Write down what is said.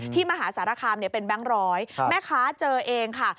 มหาสารคามเป็นแบงค์ร้อยแม่ค้าเจอเองค่ะ